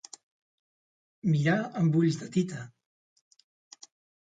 Mirar amb ulls de tita.